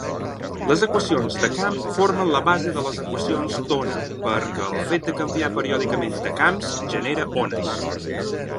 Les equacions de camp formen la base de les equacions d'ona, perquè el fet de canviar periòdicament de camps genera ones.